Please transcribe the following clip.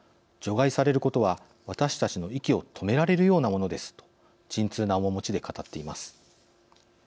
除外されることは私たちの息を止められるようなものです」と沈痛な面持ちで語っています。